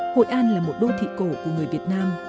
hội an là một đô thị cổ của người việt nam